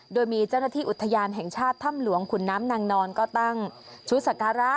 โดยมีเจ้าหน้าที่อุทยานแห่งชาติถ้ำหลวงขุนน้ำนางนอนก็ตั้งชุดสการะ